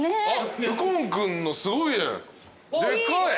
右近君のすごいねでかい。